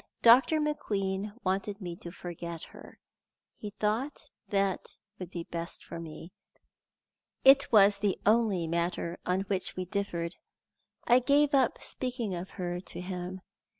"Dr. McQueen wanted me to forget her. He thought that would be best for me. It was the only matter on which we differed. I gave up speaking of her to him.